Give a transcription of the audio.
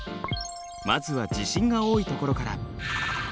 まずは地震が多いところから。